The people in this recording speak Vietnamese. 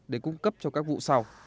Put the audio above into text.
để cung cấp cho các loại giống cá tôm